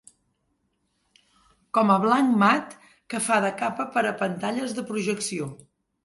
Com a blanc mat que fa de capa per a pantalles de projecció.